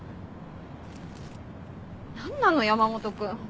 何なの山本君。